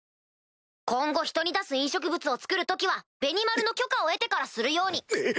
今後人に出す飲食物を作る時はベニマルの許可を得てからするように！